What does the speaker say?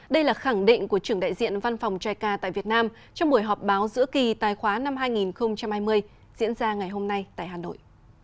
đây là khẳng định của trưởng đại diện văn phòng jica tại việt nam trong buổi họp báo giữa kỳ tài khoá năm hai nghìn hai mươi diễn ra ngày hôm nay tại hà nội